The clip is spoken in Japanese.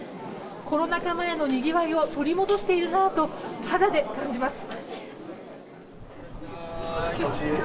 コロナ禍前のにぎわいを取り戻しているなと肌で感じます。